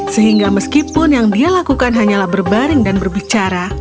sehingga meskipun yang dia lakukan hanyalah berbaring dan berbicara